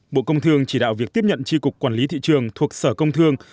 bộ công thương chỉ đạo việc tiếp nhận tri cục quản lý thị trường thuộc sở công thương